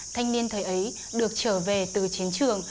thanh niên thời ấy được trở về từ chiến trường